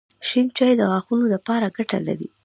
شېن چای د غاښونو دپاره ګټه لري